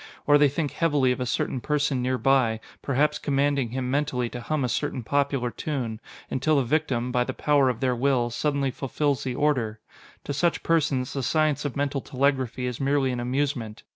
Or they think heavily of a certain person nearby, perhaps commanding him mentally to hum a certain popular tune, until the victim, by the power of their will, suddenly fulfills the order. To such persons, the science of mental telegraphy is merely an amusement.